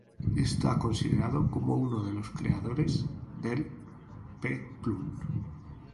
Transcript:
Está considerado como uno de los creadores del peplum.